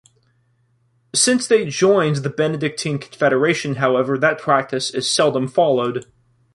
Since they joined the Benedictine Confederation, however, that practice is seldom followed.